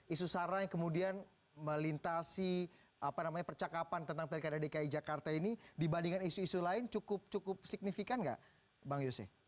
isu sarai kemudian melintasi apa namanya percakapan tentang pdki jakarta ini dibandingkan isu isu lain cukup signifikan nggak bang yose